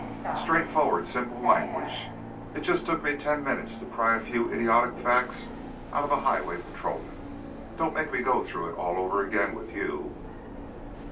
In straightforward, simple language. It just took me ten minutes to pry a few idiotic facts out of a highway patrolman. Don't make me go through it all over again with you."